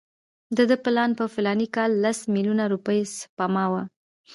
د ده پلان په فلاني کال کې لس میلیونه روپۍ سپما وه.